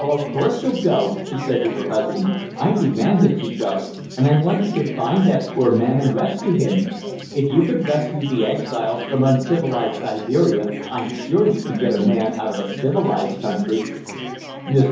Of course you'll go!" she said to her husband. "I demand that you go, and I want you to find that poor man and rescue him. If you could rescue the exiles from uncivilized Siberia I'm sure you can get a man out of a civilized country." Mr.